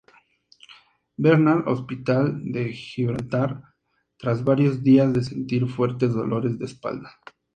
Bernard Hospital de Gibraltar, tras varios días de sentir fuertes dolores de espalda.